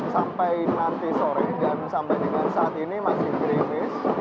sampai nanti sore dan sampai dengan saat ini masih krimis